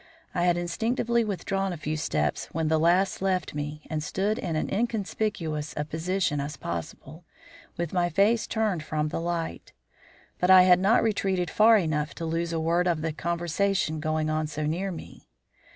I had instinctively withdrawn a few steps when the lass left me and stood in as inconspicuous a position as possible, with my face turned from the light. But I had not retreated far enough to lose a word of the conversation going on so near me.